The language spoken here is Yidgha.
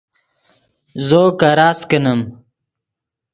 زو کراست کینیم